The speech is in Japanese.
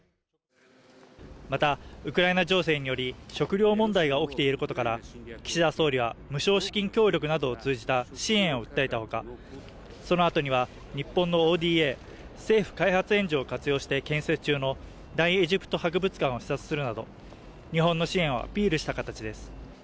また、ウクライナ情勢により、食料問題が起きていることから、岸田総理は無償資金協力などを通じた支援を訴えたほか、その後には、日本のＯＤＡ＝政府開発援助を活用して建設中の大エジプト博物館を視察するなど、日本の支援をアピールした形です。